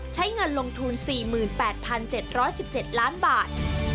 ใช้เงินลงทุน๔๘๗๑๗ล้านบาท